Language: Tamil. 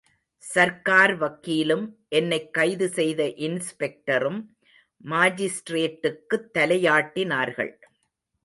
சர்க்கார் வக்கீலும் என்னைக் கைதுசெய்த இன்ஸ்பெக்டரும் மாஜிஸ்ட்ரேட்டுக்குத் தலையாட்டினார்கள்.